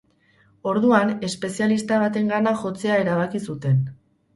Orduan, espezialista batengana jotzea erabaki zuten.